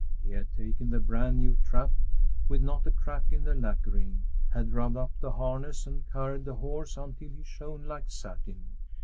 He had taken the brand new trap with not a crack in the lacquering, had rubbed up the harness and curried the horse until he shone like satin.